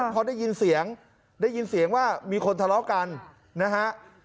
พอได้ยินเสียงได้ยินเสียงว่ามีคนทะเลาะกันนะฮะ